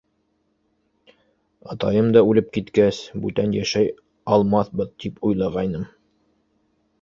Атайым да үлеп киткәс, бүтән йәшәй алмаҫбыҙ тип уйлағайным.